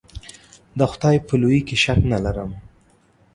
د خدای په لویي کې شک نه ارم.